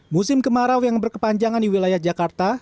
musim kemarau yang berkepanjangan di wilayah jakarta